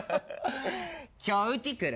今日うち来る？